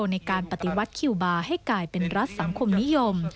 ในการปฏิวัติคิวบาร์ให้กลายเป็นรัฐสังคมนิยม